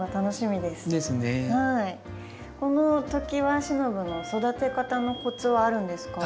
このトキワシノブの育て方のコツはあるんですか？